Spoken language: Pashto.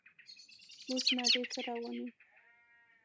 اوس نه، ډېر ښه روان یو.